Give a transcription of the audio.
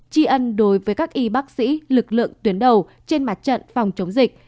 tri ân đối với các y bác sĩ lực lượng tuyến đầu trên mặt trận phòng chống dịch